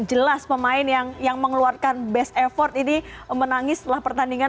jelas pemain yang mengeluarkan best effort ini menangis setelah pertandingan